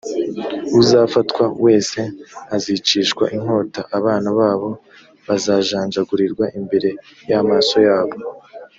uzafatwa wese azicishwa inkota abana babo bazajanjagurirwa imbere y’amaso yabo